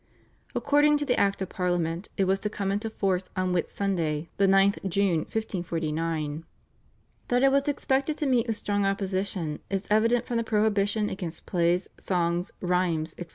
According to the Act of Parliament it was to come into force on Whit Sunday the 9th June (1549). That it was expected to meet with strong opposition is evident from the prohibition against plays, songs, rhymes, etc.